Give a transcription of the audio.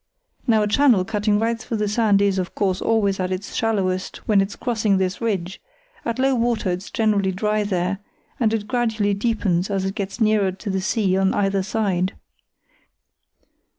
Now a channel cutting right through the sand is, of course, always at its shallowest when it's crossing this ridge; at low water it's generally dry there, and it gradually deepens as it gets nearer to the sea on either side.